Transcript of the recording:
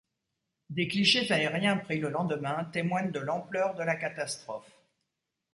Des clichés aériens pris le lendemain témoignent de l'ampleur de la catastrophe.